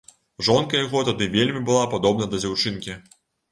Жонка яго тады вельмі была падобна да дзяўчынкі.